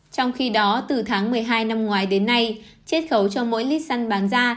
trong khi đó từ tháng một mươi hai năm ngoái đến nay chết khấu cho mỗi lít xăng bán ra